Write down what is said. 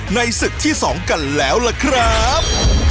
ในศึกที่๒กันแล้วล่ะครับ